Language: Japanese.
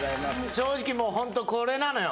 正直もうホントこれなのよ